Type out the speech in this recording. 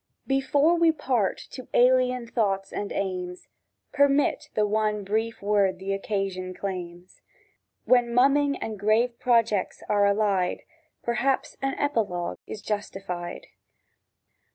BEFORE we part to alien thoughts and aims, Permit the one brief word the occasion claims: —When mumming and grave projects are allied, Perhaps an Epilogue is justified.